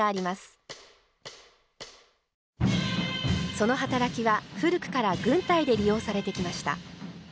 その働きは古くから軍隊で利用されてきました。